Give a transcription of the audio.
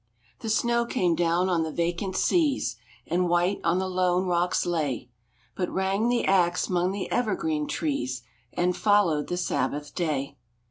The snow came down on the vacant seas, And white on the lone rocks lay, But rang the axe 'mong the evergreen trees And followed the Sabbath day.